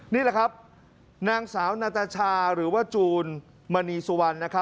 นี่แหละครับนางสาวนาตาชาหรือว่าจูนมณีสุวรรณ